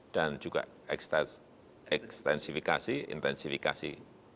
dan juga ekstensifikasi intensifikasi